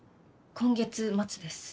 今月末です。